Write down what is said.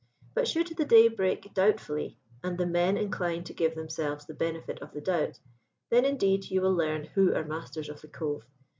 But should the day break doubtfully, and the men incline to give themselves the benefit of the doubt, then, indeed, you will learn who are masters of the Cove.